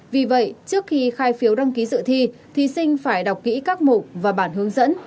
vì vậy trước khi khai phiếu đăng ký dự thi thí sinh phải đọc kỹ các mục và bản hướng dẫn